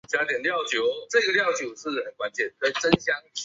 卡帕多细亚问题成为双方决裂的导火索。